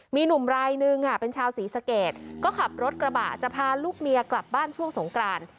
มีหนุ่มรายนึงเป็นชาวศรีสะเกดก็ขับรถกระบะจะพาลูกเมียกลับบ้านช่วงสงกราน